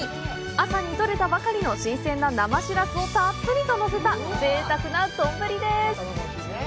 朝に取れたばかりの新鮮な生シラスをたっぷりとのせた、ぜいたくな丼です。